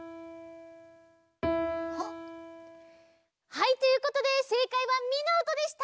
はいということでせいかいはミのおとでした！